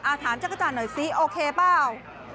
อาทารจะกระจ่าหน่อยซิโอเคเปล่า